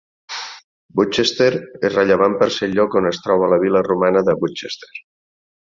Woodchester és rellevant per ser el lloc on es troba la vila romana de Woodchester.